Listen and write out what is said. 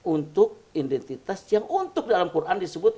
untuk identitas yang untuk dalam quran disebut